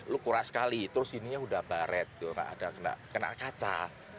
lo kuras sekali terus sininya udah baret tuh gak ada kena kaca